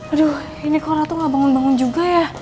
aduh ini corona tuh gak bangun bangun juga ya